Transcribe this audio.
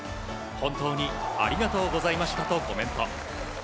本当にありがとうございましたとコメント。